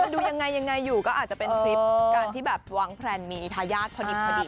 ดูยังไงอยู่ก็อาจจะเป็นคลิปการที่แบบวางแพลนมีทายาทพอดีนั่นเอง